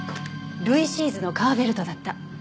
ルイシーズの革ベルトだった。